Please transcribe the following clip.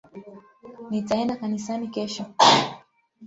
Nitaenda kanisani kesho.